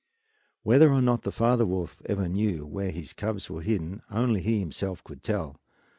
Whether or not the father wolf ever knew where his cubs were hidden only he himself could tell.